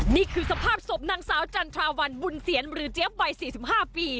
นี่คือสภาพศพนางสาวจันทราวันบุญเสียรหรือเจี๊ยบวัย๔๕ปี